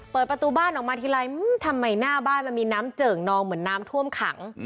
เปิดประตูบ้านออกมาทีไรทำไมหน้าบ้านมันมีน้ำเจิ่งนองเหมือนน้ำท่วมขัง